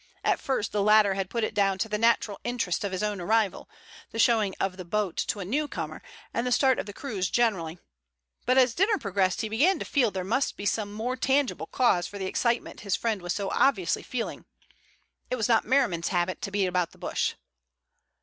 At first the latter had put it down to the natural interest of his own arrival, the showing of the boat to a new comer, and the start of the cruise generally, but as dinner progressed he began to feel there must be some more tangible cause for the excitement his friend was so obviously feeling. It was not Merriman's habit to beat about the bush.